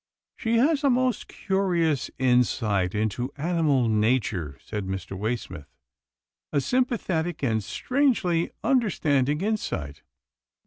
" She has a most curious insight into animal nature," said Mr. Waysmith. " A sympathetic and strangely understanding insight.